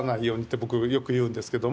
僕よく言うんですけども。